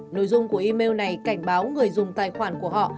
nội dung của email này cảnh báo người dùng tài khoản của họ